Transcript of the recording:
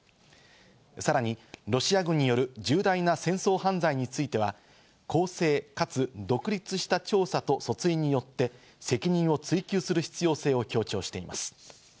さらにロシア軍による重大な戦争犯罪については、公正かつ独立した調査と訴追によって責任を追及する必要性を強調しています。